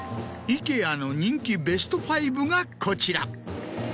イケアの人気ベスト５がこちら。